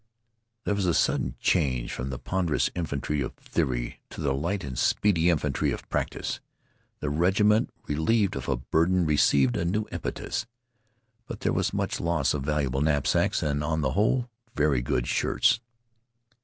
There was sudden change from the ponderous infantry of theory to the light and speedy infantry of practice. The regiment, relieved of a burden, received a new impetus. But there was much loss of valuable knapsacks, and, on the whole, very good shirts.